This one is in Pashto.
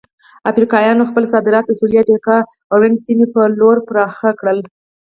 افریقایانو خپل صادرات د سویلي افریقا رنډ سیمې په لور پراخ کړل.